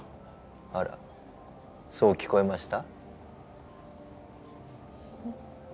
あらそう聞こえました？